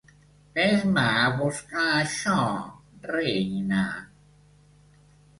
Ves-me a buscar això, reina.